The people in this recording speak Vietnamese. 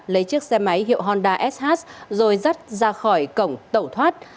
lấy chiếc xe máy hiệu honda sh rồi dắt ra khỏi cổng tẩu thoát